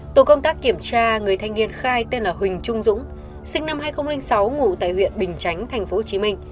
tổ công tác kiểm tra người thanh niên khai tên là huỳnh trung dũng sinh năm hai nghìn sáu ngủ tại huyện bình chánh tp hcm